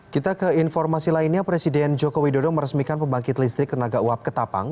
kita ke informasi lainnya presiden joko widodo meresmikan pembangkit listrik tenaga uap ketapang